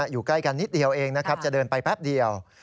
อยู่ใกล้กันนิดเดียวเองนะครับจะเดินไปแป๊บเดียว